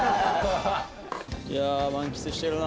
いやあ満喫してるな。